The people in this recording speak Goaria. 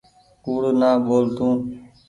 ڪوڙ نآ ٻول تو۔